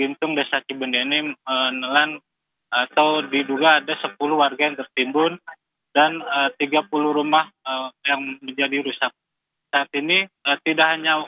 dintung desa cibendeni menelan atau diduga ada sepuluh warga yang tertimbun dan tiga puluh rumah yang menjadi rusak saat ini tidak hanya